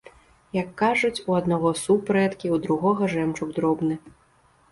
Як кажуць, у аднаго суп рэдкі, у другога жэмчуг дробны.